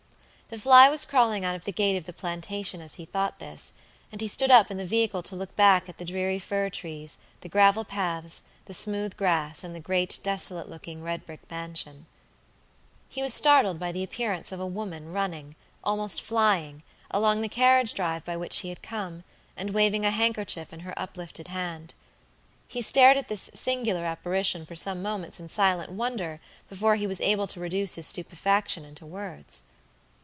The fly was crawling out of the gate of the plantation as he thought this, and he stood up in the vehicle to look back at the dreary fir trees, the gravel paths, the smooth grass, and the great desolate looking, red brick mansion. He was startled by the appearance of a woman running, almost flying, along the carriage drive by which he had come, and waving a handkerchief in her uplifted hand. He stared at this singular apparition for some moments in silent wonder before he was able to reduce his stupefaction into words.